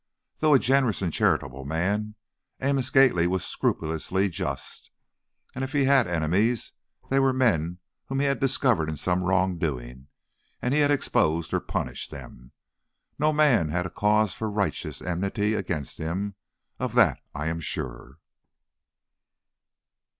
Though a generous and charitable man, Amos Gately was scrupulously just, and if he had enemies, they were men whom he had discovered in some wrong doing and he had exposed or punished them. No man had a cause for righteous enmity against him, of that I'm sure!"